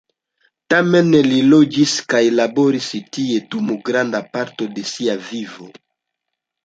Tamen, li loĝis kaj laboris tie dum granda parto de sia vivo.